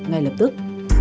ngay lập tức